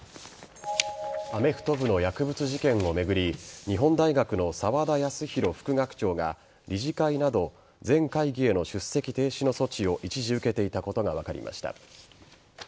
アメフト部の薬物事件を巡り日本大学の沢田康広副学長が理事会など全会議への出席停止の措置を一時、受けていたことが分かりました。